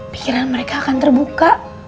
pikiran mereka akan terbuka